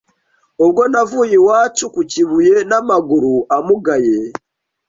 Ubwo navuye iwacu ku kibuye n’amaguru amugaye,